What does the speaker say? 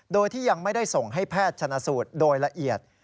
โดยที่ยังไม่ได้ส่งให้แพทย์ชนะสูตรโดยละเอียด